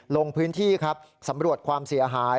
ลงพื้นที่ครับสำรวจความเสียหาย